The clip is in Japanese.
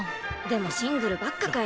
でもシングルばっかかよ。